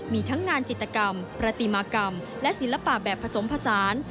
มีทั้งงานจิตกรรมประติมากรรมและศิลปะแบบผสมผสาน